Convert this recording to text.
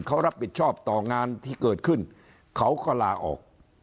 เขารับผิดชอบต่องานที่เกิดขึ้นเขาก็ลาออก